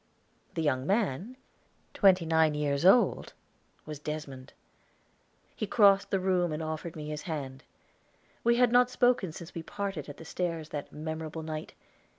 The young man, twenty nine years old, was Desmond. He crossed the room and offered me his hand. We had not spoken since we parted at the stairs that memorable night.